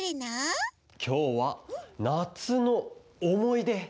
きょうは「なつのおもいで」！